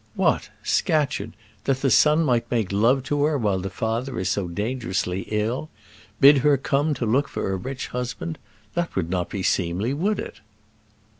"What! Scatcherd, that the son might make love to her while the father is so dangerously ill! Bid her come to look for a rich husband! That would not be seemly, would it?"